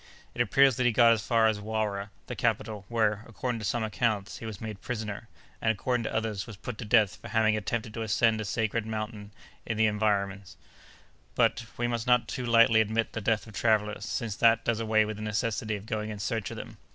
It appears that he got as far as Wara, the capital, where, according to some accounts, he was made prisoner, and, according to others, was put to death for having attempted to ascend a sacred mountain in the environs. But, we must not too lightly admit the death of travellers, since that does away with the necessity of going in search of them.